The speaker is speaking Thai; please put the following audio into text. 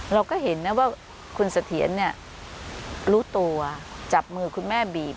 เราก็เห็นว่าคุณสะเทียนรู้ตัวจับมือคุณแม่บีบ